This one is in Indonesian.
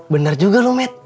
bener juga lu met